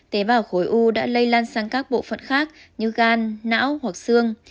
tế bào khối u đã lây lan sang các bộ phận khác như gan não hoặc xương